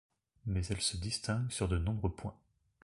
Mais elles se distinguent sur de nombreux points.